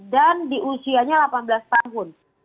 dan di usianya delapan belas tahun